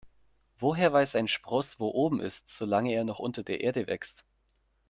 Woher weiß ein Spross, wo oben ist, solange er noch unter der Erde wächst?